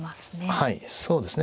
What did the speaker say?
はいそうですね。